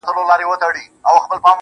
ته یې لور د شراب، زه مست زوی د بنګ یم.